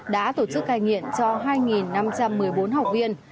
đã tổ chức cai nghiện cho hai năm trăm một mươi bốn học viên